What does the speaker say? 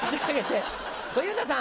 小遊三さん。